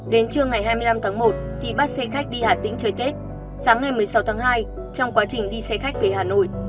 đến trưa ngày hai mươi năm tháng một thì bắt xe khách đi hà tĩnh chơi tết sáng ngày một mươi sáu tháng hai trong quá trình đi xe khách về hà nội